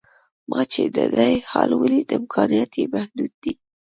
ما چې د ده حال ولید امکانات یې محدود دي.